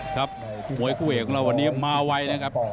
ครับมวยคู่เอกของเราวันนี้มาไวนะครับ